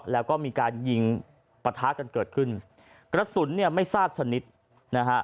แล้วก็มีการยิงปะทะกันเกิดขึ้นกระสุนเนี่ยไม่ทราบชนิดนะฮะ